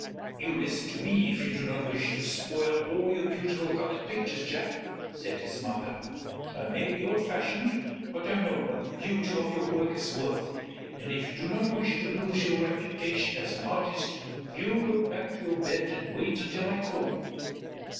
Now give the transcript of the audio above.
"You listen to me if you do not wish to spoil all your beautiful colored pictures, Jack," said his mother. "I may be old fashioned, but I know what the beauty of your work is worth, and if you do not wish to lose your reputation as an artist you go back to your bed and wait until I call you."